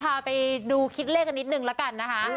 พาไปดูคิดเลขกันนิดนึงละกันนะคะ